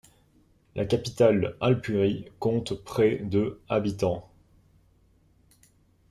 La capitale Alpuri compte près de habitants.